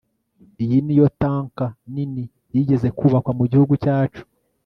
iyi niyo tanker nini yigeze kubakwa mugihugu cyacu